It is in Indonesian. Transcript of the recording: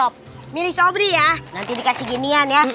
pilih sobri ya nanti dikasih ginian ya